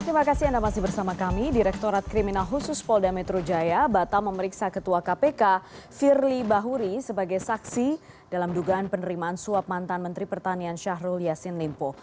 terima kasih anda masih bersama kami direktorat kriminal khusus polda metro jaya batal memeriksa ketua kpk firly bahuri sebagai saksi dalam dugaan penerimaan suap mantan menteri pertanian syahrul yassin limpo